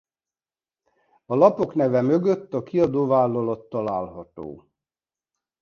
A lapok neve mögött a kiadóvállalat található.